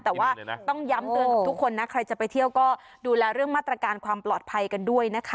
แต่ว่าต้องย้ำเตือนกับทุกคนนะใครจะไปเที่ยวก็ดูแลเรื่องมาตรการความปลอดภัยกันด้วยนะคะ